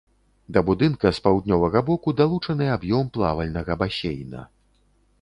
Да будынка з паўднёвага боку далучаны аб'ём плавальнага басейна.